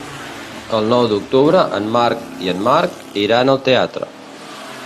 El nou d'octubre en Marc i en Marc iran al teatre.